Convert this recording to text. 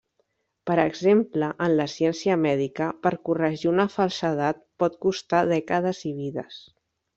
Per exemple, en la ciència mèdica, per corregir una falsedat pot costar dècades i vides.